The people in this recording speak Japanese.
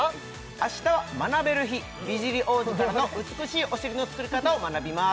明日は学べる日美尻王子からの美しいお尻の作り方を学びます